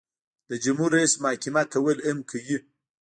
د جمهور رئیس محاکمه کول هم کوي.